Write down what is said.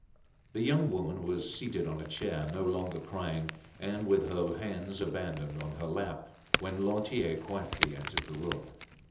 The young woman was seated on a chair, no longer crying, and with her hands abandoned on her lap, when Lantier quietly entered the room.